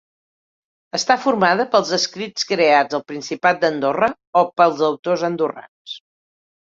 Està formada pels escrits creats al Principat d'Andorra o pels autors andorrans.